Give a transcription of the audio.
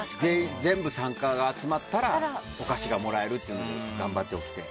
全部参加が集まったらお菓子がもらえるっていうので頑張って起きて。